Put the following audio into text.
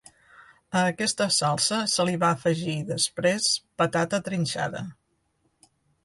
A aquesta salsa se li va afegir, després, patata trinxada.